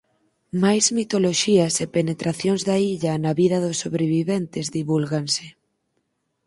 Máis mitoloxías e penetracións da illa na vida dos sobreviventes divúlganse.